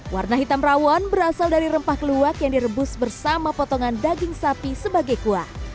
warna hitam rawon berasal dari rempah keluwak yang direbus bersama potongan daging sapi sebagai kuah